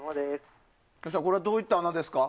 これはどういった穴ですか？